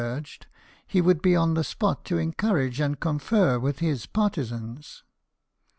urged, he would be on the spot to encourage and confer with his partisans.